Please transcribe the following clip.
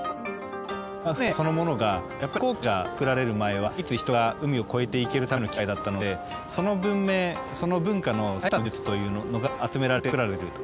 まぁ船そのものがやっぱり飛行機が作られる前は唯一人が海を越えていけるための機械だったのでその文明その文化の最先端の技術というのが集められて作られていると。